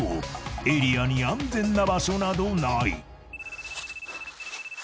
［エリアに安全な場所などない］